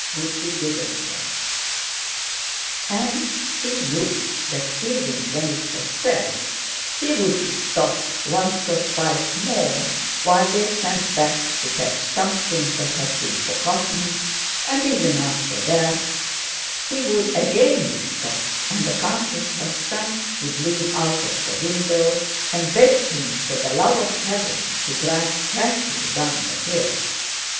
would be given him: and he knew that even when it was said he would be stopped once or twice more while they sent back to fetch something that had been forgotten, and even after that he would again be stopped and the countess herself would lean out of the window and beg him for the love of heaven to drive carefully down the hill.